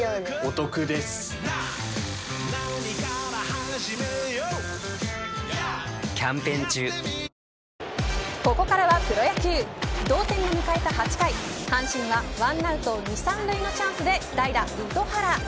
一方、男子９０キロ級ではここからはプロ野球同点で迎えた８回阪神が１アウト２、３塁のチャンスで代打、糸原。